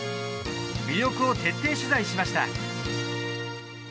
魅力を徹底取材しました。